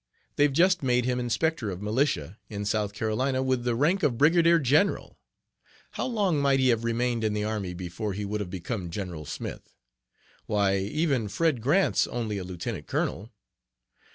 They've just made him inspector of militia in South Carolina, with the rank of brigadier general. How long might he have remained in the army before he would have become 'General Smith?' Why, even Fred Grant's only a lieutenant colonel.